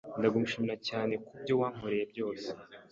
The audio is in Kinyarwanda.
Ndagushimira cyane kubyo wankoreye byose.